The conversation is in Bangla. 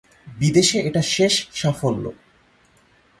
বিদেশে এটা শেষ সাফল্য।